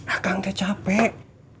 akang teh capek